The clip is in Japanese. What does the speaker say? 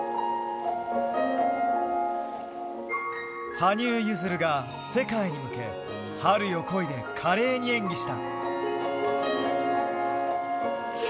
羽生結弦が世界に向け、春よ、来いで華麗に演技した。